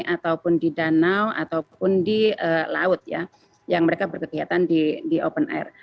ataupun di danau ataupun di laut ya yang mereka berkegiatan di open air